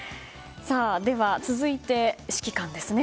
続いて、指揮官ですね。